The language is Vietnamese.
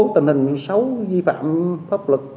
tình hình xấu vi phạm pháp luật